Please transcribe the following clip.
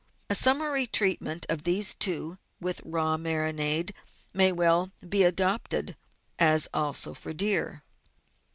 A sum mary treatment of these two, with raw marinade, may well be adopted, as also for deer.